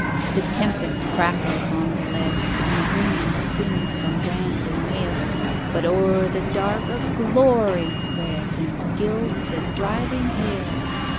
The tempest crackles on the leads, And, ringing, spins from brand and mail; But o'er the dark a glory spreads, And gilds the driving hail.